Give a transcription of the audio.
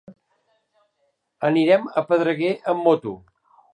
Anirem a Pedreguer amb moto.